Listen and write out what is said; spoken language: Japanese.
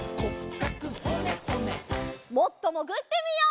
もっともぐってみよう！